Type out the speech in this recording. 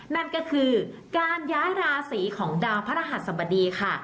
นั่นก็คือการย้ายราศีของดาวพระรหัสสบดีค่ะ